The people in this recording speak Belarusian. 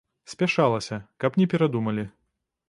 Спяшалася, каб не перадумалі.